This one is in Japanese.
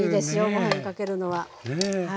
ご飯にかけるのは。